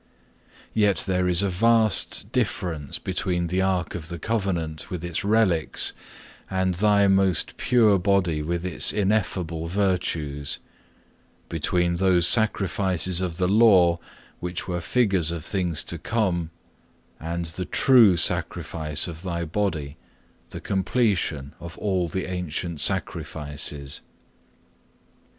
6. Yet there is a vast difference between the Ark of the Covenant with its relics, and Thy most pure Body with its ineffable virtues, between those sacrifices of the law, which were figures of things to come, and the true sacrifice of Thy Body, the completion of all the ancient sacrifices.